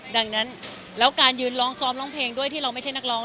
ดังนั้นแล้วการยืนร้องซ้อมร้องเพลงด้วยที่เราไม่ใช่นักร้อง